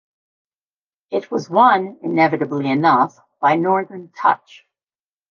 It was won, inevitably enough, by "Northern Touch".